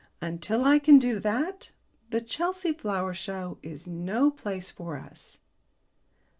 Until I can do that, the Chelsea Flower Show is no place for us.